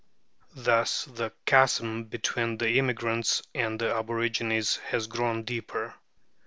Thus the chasm between the immigrants and the aborigines has grown deeper.